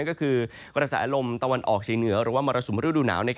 ก็คือกระสาอารมณ์ตะวันออกชีวิตเหนือหรือว่ามรสุมฤดูหนาว